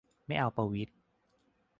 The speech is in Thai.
ไม่เอาประวิตร